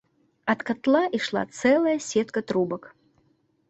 Ад катла ішла цэлая сетка трубак.